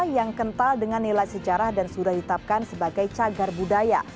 yang kental dengan nilai sejarah dan sudah ditetapkan sebagai cagar budaya